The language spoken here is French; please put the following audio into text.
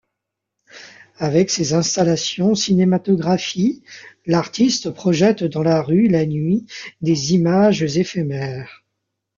Avec ses installations cinématographies, l'artiste projette dans la rue la nuit des images éphémères.